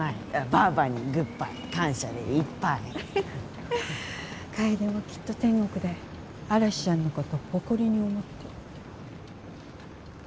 バァバにグッバイ感謝でいっぱい楓も、きっと天国で嵐ちゃんのこと誇りに思ってる。